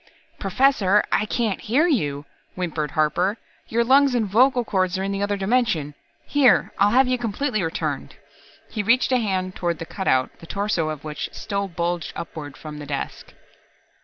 "Professor, I can't hear you," whimpered Harper. "Your lungs and vocal cords are in the other dimension. Here, I'll have you completely returned." He reached a hand toward the cutout, the torso of which still bulged upward from the desk.